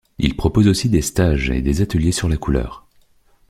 Il propose aussi des stages et des ateliers sur la couleur.